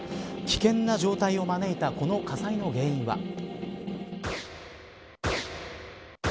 危険な状態を招いたこの火災の原因は。